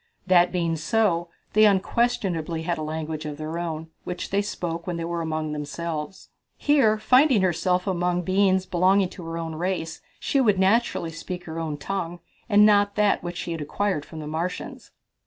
That being so, they unquestionably had a language of their own, which they spoke when they were among themselves. Here finding herself among beings belonging to her own race, she would naturally speak her own tongue and not that which she had acquired from the Martians.